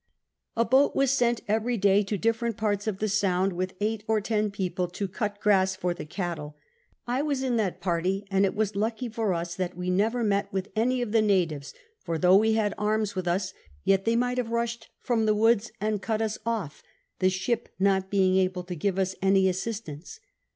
A boat was sent c.very <lay to tlifhTeiit ])arts of the Sound with 8 or 10 ]k»o])1ij to cut gmss for the cattle ; I Avas ill that party and it av;is luckey for ns that we never met with any of tlic Natives for tho' we liad arms with us yet they might have rusliM fioni the Avoods and cut us oil the ship not being able to giA^e us any assistance.